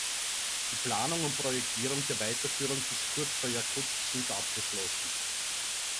Die Planung und Projektierung der Weiterführung bis kurz vor Jakutsk sind abgeschlossen.